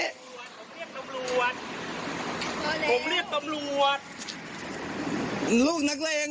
ทีนะคุณ